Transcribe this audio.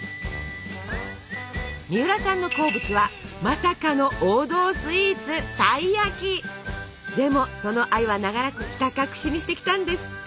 みうらさんの好物はまさかの王道スイーツでもその愛は長らくひた隠しにしてきたんですって。